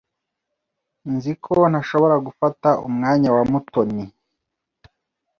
Nzi ko ntashobora gufata umwanya wa Mutoni.